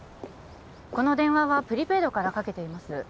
この電話はプリペイドからかけています